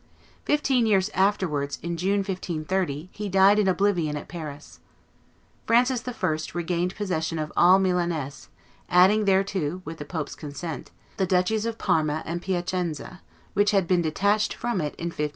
Fifteen years afterwards, in June, 1530, he died in oblivion at Paris. Francis I. regained possession of all Milaness, adding thereto, with the pope's consent, the duchies of Parma and Piacenza, which had been detached from it in 1512.